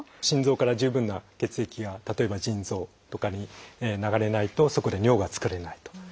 心臓から十分な血液が例えば腎臓とかに流れないとそこで尿が作れないと。